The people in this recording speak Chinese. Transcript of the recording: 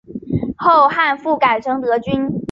后汉复改成德军。